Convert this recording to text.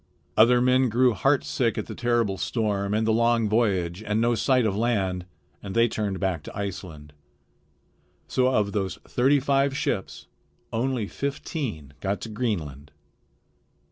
Other men grew heartsick at the terrible storm and the long voyage and no sight of land, and they turned back to Iceland. So of those thirty five ships only fifteen got to Greenland.